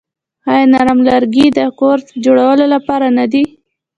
آیا نرم لرګي د کور جوړولو لپاره نه دي؟